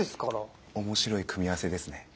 面白い組み合わせですね。